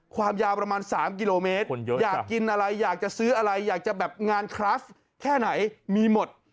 ความยาวประมาณ๓กิโลเมตรอยากกินอะไรอยากจะซื้ออะไรอยากจะแบบงานคลาสแค่ไหนมีหมด